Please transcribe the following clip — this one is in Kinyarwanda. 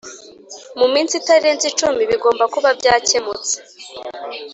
mu minsi itarenze icumi bigomba kuba byakemutse